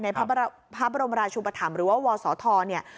ในพระบรมราชุปธรรมหรือว่าวศธเนี่ย